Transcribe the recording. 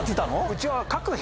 うちは。